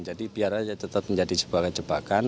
jadi biar aja tetap menjadi sebagai jebakan